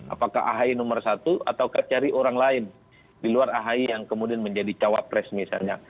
apakah ahy nomor satu atau cari orang lain di luar ahy yang kemudian menjadi cawapres misalnya